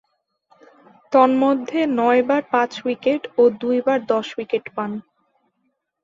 তন্মধ্যে নয়বার পাঁচ উইকেট ও দুইবার দশ উইকেট পান।